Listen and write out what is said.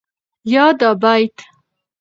يا دا بيت